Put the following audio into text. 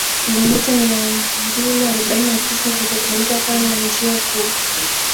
Kilometa mia mbili arobaini na tisa zitatumika kama njia kuu